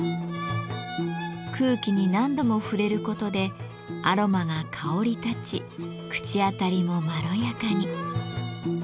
空気に何度も触れることでアロマが香り立ち口当たりもまろやかに。